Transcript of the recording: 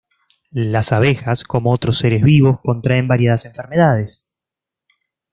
Las abejas como otros seres vivos contraen variadas enfermedades.